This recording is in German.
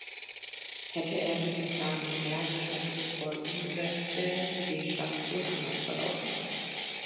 Hätte er diesen Plan energisch und druckvoll umgesetzt, wäre die Seeschlacht wohl anders verlaufen.